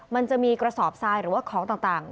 มันจะมีกระสอบทรายหรือว่าของต่าง